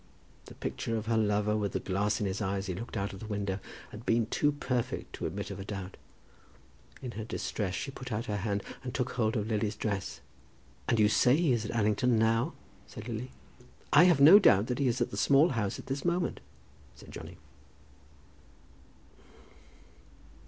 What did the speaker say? The picture of her lover, with the glass in his eye as he looked out of the window, had been too perfect to admit of a doubt. In her distress she put out her hand and took hold of Lily's dress. "And you say he is at Allington now?" said Lily. "I have no doubt he is at the Small House at this moment," said Johnny.